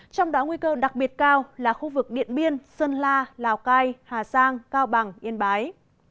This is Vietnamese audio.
trong đó nguy cơ đặc biệt cao là khu vực điện biên sơn la lào cai hà giang cao bằng yên bái